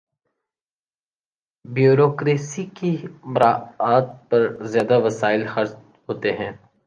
Bureaucracy کی مراعات پر زیادہ وسائل خرچ ہوتے ہیں۔